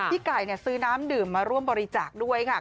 พี่ไก่ซื้อน้ำดื่มมาร่วมบริจาคด้วยค่ะ